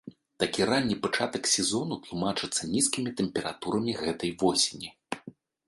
Такі ранні пачатак сезону тлумачыцца нізкімі тэмпературамі гэтай восені.